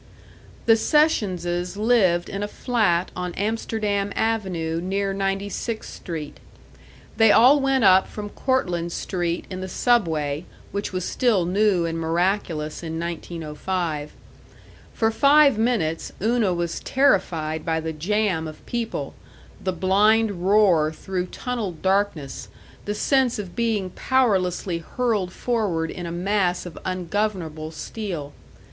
The Sessionses lived in a flat on Amsterdam Avenue near Ninety sixth Street. They all went up from Cortlandt Street in the Subway, which was still new and miraculous in 1905. For five minutes Una was terrified by the jam of people, the blind roar through tunneled darkness, the sense of being powerlessly hurled forward in a mass of ungovernable steel.